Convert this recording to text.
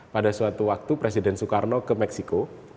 pada suatu waktu presiden soekarno ke meksiko